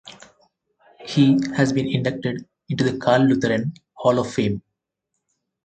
He has been inducted into the Cal Lutheran Hall of Fame.